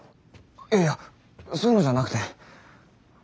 いやいやそういうのじゃなくて。